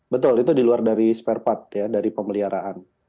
betul itu di luar dari spare part ya dari pemeliharaan